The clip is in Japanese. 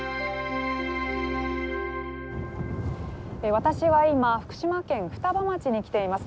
私は今、福島県双葉町に来ています。